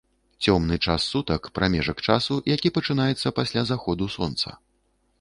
Цёмны час сутак — прамежак часу, які пачынаецца пасля заходу сонца